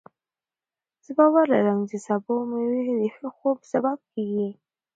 زه باور لرم چې سبو او مېوې د ښه خوب سبب کېږي.